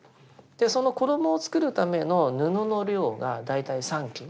その衣を作るための布の量が大体三斤。